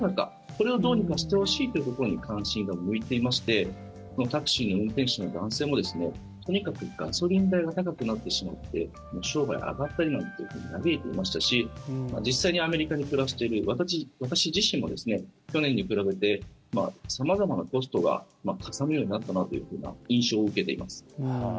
これをどうにかしてほしいというところに関心が向いていましてタクシーの運転手の男性もとにかくガソリン代が高くなってしまって商売上がったりなんていうふうに嘆いていましたし実際、アメリカに暮らしている私自身も去年に比べて様々なコストがかさむようになったなというふうな印象を受けています。